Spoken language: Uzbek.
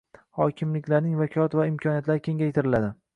hokimliklarning vakolat va imkoniyatlari kengaytiriladi.